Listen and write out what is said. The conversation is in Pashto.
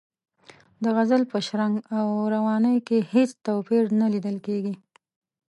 د غزل په شرنګ او روانۍ کې هېڅ توپیر نه لیدل کیږي.